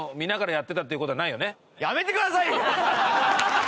やめてくださいよ！